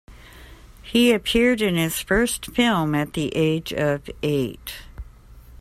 He appeared in his first film at the age of eight.